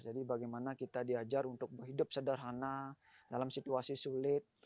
jadi bagaimana kita diajar untuk hidup sederhana dalam situasi sulit